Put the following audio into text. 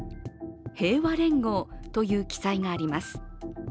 平和連合という記載があります。